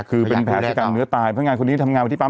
คือเป็นแผลกรรมเนื้อตายพนักงานคนนี้ทำงานวันที่ปั๊ม